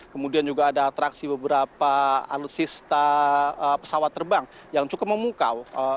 kemudian juga ada atraksi beberapa alutsista pesawat terbang yang cukup memukau